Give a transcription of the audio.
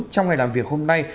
trong ngày làm việc hôm nay